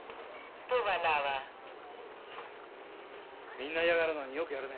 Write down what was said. みんな嫌がるのによくやるね。